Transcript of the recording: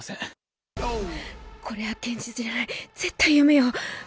これは現実じゃない、絶対夢よ。